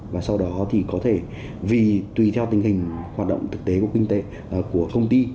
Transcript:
và sau đó thì có thể vì tùy theo tình hình hoạt động thực tế của công ty